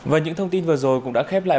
và những thông tin vừa rồi cũng đã khép lại